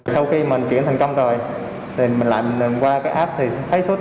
sau khi mình chuyển thành công rồi mình lại qua cái app thì thấy